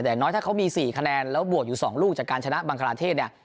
แต่อย่างน้อยถ้าเขามี๔คะแนนแล้วบวกอยู่๒ลูกจากการชนะบังคลาเทศเนี่ย